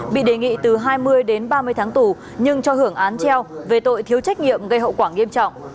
bị đề nghị từ hai mươi đến ba mươi tháng tù nhưng cho hưởng án treo về tội thiếu trách nhiệm gây hậu quả nghiêm trọng